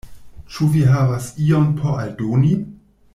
Ĉu vi havas ion por aldoni?